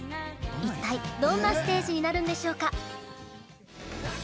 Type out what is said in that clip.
一体、どんなステージになるんでしょうか。